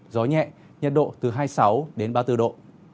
gió nhẹ nhiệt độ từ hai mươi sáu đến ba mươi bốn độ